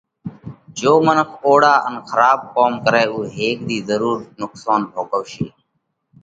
جيو منک اوۯا ان کراٻ ڪوم ڪرئه اُو هيڪ ۮِي ضرُور نُقصونَ ڀوڳوَشي۔